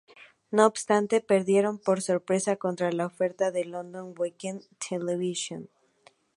No obstante, perdieron por sorpresa contra la oferta de London Weekend Television.